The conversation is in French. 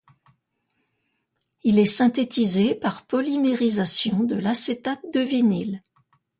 Il est synthétisé par polymérisation de l'acétate de vinyle.